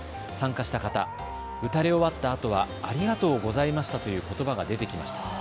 参加した方、打たれ終わったあとはありがとうございましたということばが出てきました。